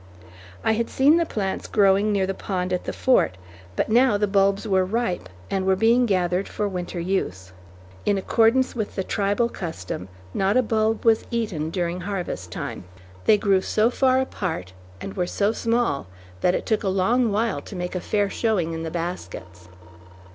I had seen the plants growing near the pond at the fort, but now the bulbs were ripe, and were being gathered for winter use. In accordance with the tribal custom, not a bulb was eaten during harvest time. They grew so far apart and were so small that it took a long while to make a fair showing in the baskets.